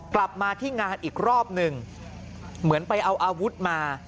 กลับมาที่งานอีกรอบหนึ่งเหมือนไปเอาอาวุธมา